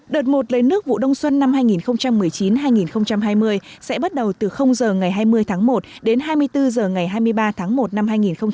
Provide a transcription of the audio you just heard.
đợt một lấy nước vụ đông xuân năm hai nghìn một mươi chín hai nghìn hai mươi sẽ bắt đầu từ h ngày hai mươi tháng một đến hai mươi bốn h ngày hai mươi ba tháng một năm hai nghìn hai mươi